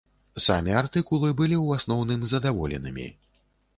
Самі артыкулы былі ў асноўным задаволенымі.